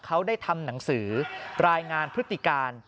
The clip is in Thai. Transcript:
เขาได้ทำหนังสือรายงานพฤติการ